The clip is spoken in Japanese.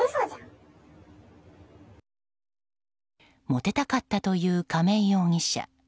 モテたかったと言う亀井容疑者。